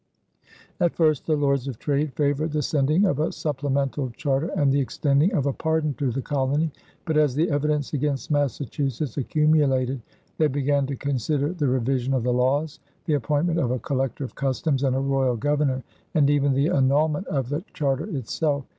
At first the Lords of Trade favored the sending of a supplemental charter and the extending of a pardon to the colony; but as the evidence against Massachusetts accumulated, they began to consider the revision of the laws, the appointment of a collector of customs and a royal governor, and even the annulment of the charter itself.